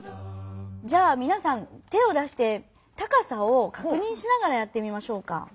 じゃあみなさん手を出して高さをかくにんしながらやってみましょうか。